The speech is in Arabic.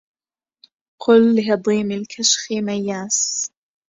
قل لهضيم الكشح مياس